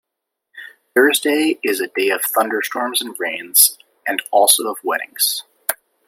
Thursday is a day of thunder-storms and rains, and also of weddings.